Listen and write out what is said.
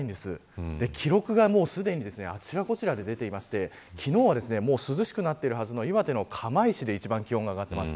記録がすでにあちらこちらで出ていて昨日は涼しくなっているはずの岩手の釜石で一番気温が上がってます。